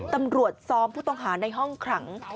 ตำรวจซ้อมผู้ต้องหาในห้องขัง